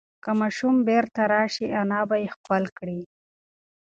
که ماشوم بیرته راشي، انا به یې ښکل کړي.